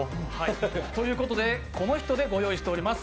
ということでこの人でご用意しています